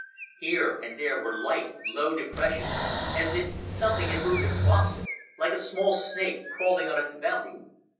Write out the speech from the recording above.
Here and there were light, low depressions, as if something had moved across it like a small snake crawling on its belly.